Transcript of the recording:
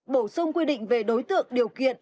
bổ sung quy định về đối tượng điều kiện